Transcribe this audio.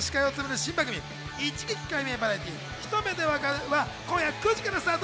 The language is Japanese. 新番組『一撃解明バラエティひと目でわかる！！』は今夜９時からスタート。